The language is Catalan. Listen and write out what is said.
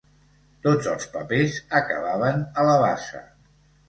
Tots els papers acabaven a la bassa.